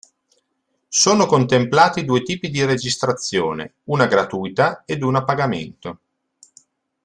Sono contemplati due tipi di registrazione: una gratuita ed una a pagamento.